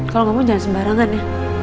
kalau ngomong jangan sembarangan ya